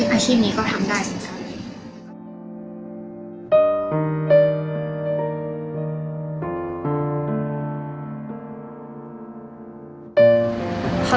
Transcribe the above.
อาชีพนี้ก็ทำได้เหมือนกัน